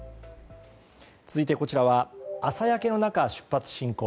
続いて、こちらは朝焼けの中、出発進行。